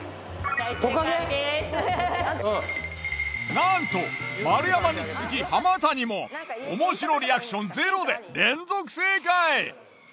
なんと丸山に続き浜谷もおもしろリアクションゼロで連続正解。